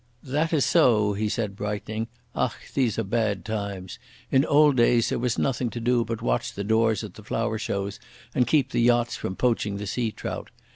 "That is so," he said, brightening. "Ach, these are the bad times! in old days there wass nothing to do but watch the doors at the flower shows and keep the yachts from poaching the sea trout.